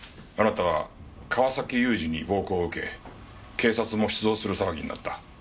あなたは川崎雄二に暴行を受け警察も出動する騒ぎになった。